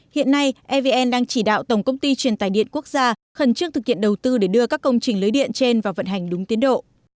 hiện nay evn đang chỉ đạo tổng công ty truyền tài điện quốc gia khẩn trương thực hiện đầu tư để đưa các công trình lưới điện trên vào vận hành đúng tiến độ